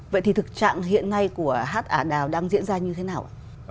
vậy thì thực trạng hiện nay của hát ả đào đang diễn ra như thế nào ạ